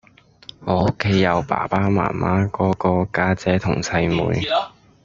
我屋企有爸爸媽媽，哥哥，家姐同細妹